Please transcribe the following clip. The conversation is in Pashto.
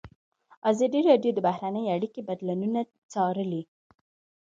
ازادي راډیو د بهرنۍ اړیکې بدلونونه څارلي.